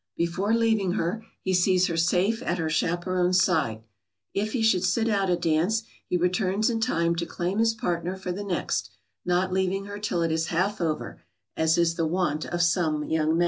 Before leaving her, he sees her safe at her chaperon's side. If he should sit out a dance he returns in time to claim his partner for the next, not leaving her till it is half over, as is the wont of some young men.